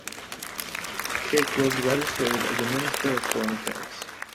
Keke was reinstated as Minister of Foreign Affairs.